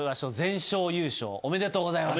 おめでとうございます。